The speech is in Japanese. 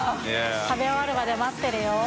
食べ終わるまで待ってるよ。